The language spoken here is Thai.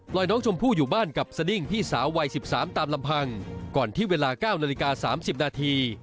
น้องชมพู่อยู่บ้านกับสดิ้งพี่สาววัย๑๓ตามลำพังก่อนที่เวลา๙นาฬิกา๓๐นาที